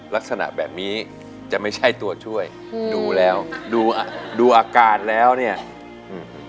ลักษณะแบบนี้จะไม่ใช่ตัวช่วยอืมดูแล้วดูดูอาการแล้วเนี้ยอืม